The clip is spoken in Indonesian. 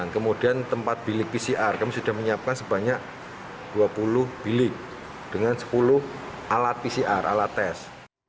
kemudian tempat bilik pcr kami sudah menyiapkan sebanyak dua puluh bilik dengan sepuluh alat pcr alat tes